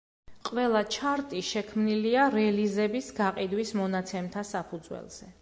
ყველა ჩარტი შექმნილია რელიზების გაყიდვის მონაცემთა საფუძველზე.